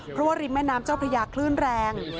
เพราะว่าริมแม่น้ำเจ้าพระยาคลื่นแรง